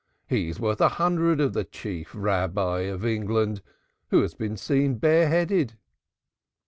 He is worth a hundred of the Chief Rabbi of England, who has been seen bareheaded."